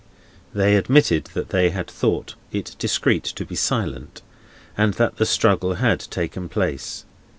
They admitted that they had thought it discreet to be silent, and that the struggle had taken place.